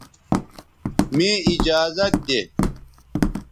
مے ایجازت دے